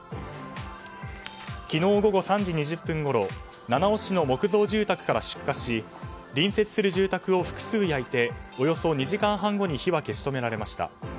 昨日午後３時２０分ごろ七尾市の木造住宅から出火し隣接する住宅を複数焼いておよそ２時間半後に火は消し止められました。